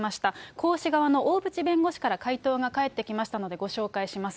江氏側の大渕弁護士から回答が返ってきましたので、ご紹介します。